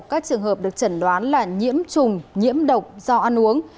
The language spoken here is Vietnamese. các trường hợp được chẩn đoán là nhiễm trùng nhiễm độc do ăn uống